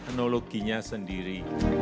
dan teknologinya sendiri